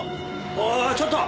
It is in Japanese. あああちょっと！